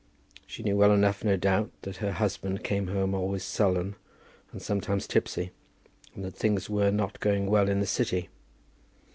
She knew well enough, no doubt, that her husband came home always sullen, and sometimes tipsy, and that things were not going well in the City.